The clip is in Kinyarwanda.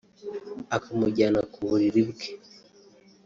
akamujyana ku buriri bwe